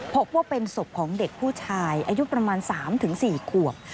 พบว่าเป็นศพของเด็กผู้ชายอายุประมาณ๓๔ขวบ